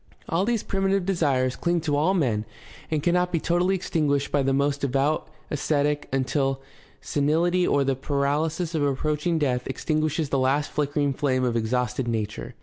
All these primitive desires cling to all men and cannot be totally extinguished by the most devout ascetic until senihty or the paralysis of approach ing death extinguishes the last flickering flame of exhausted nature.